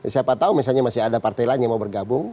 siapa tahu misalnya masih ada partai lain yang mau bergabung